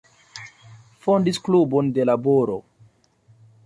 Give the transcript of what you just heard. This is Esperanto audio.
Fondis Klubon de Laboro.